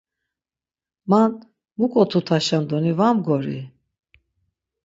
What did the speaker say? Man muǩo tutaşen doni va mgori.